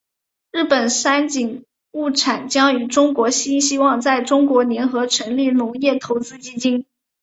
日本三井物产将与中国新希望在中国联合成立农业投资基金。